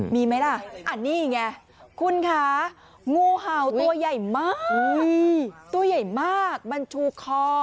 มีไหมล่ะอันนี้ไงคุณคะงูเห่าตัวใหญ่มากตัวใหญ่มากมันชูคอ